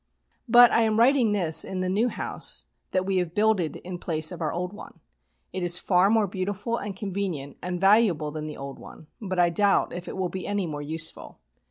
But I am writing this in the new house that we have builded in place of our old one. It is far more beautiful and convenient and valuable than the old one, but I doubt if it will be any more useful.